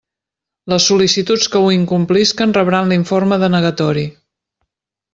Les sol·licituds que ho incomplisquen rebran l'informe denegatori.